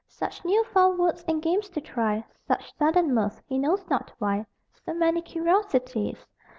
Such new found words and games to try, Such sudden mirth, he knows not why, So many curiosities!